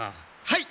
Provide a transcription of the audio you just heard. はい！